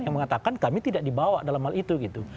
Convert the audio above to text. yang mengatakan kami tidak dibawa dalam hal itu gitu